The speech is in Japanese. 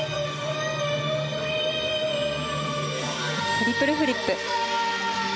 トリプルフリップ。